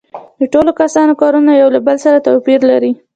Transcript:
د ټولو کسانو کارونه یو له بل سره توپیر لري